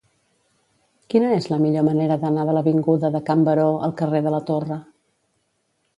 Quina és la millor manera d'anar de l'avinguda de Can Baró al carrer de la Torre?